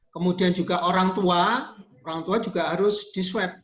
kemudian juga orang tua orang tua juga harus di swab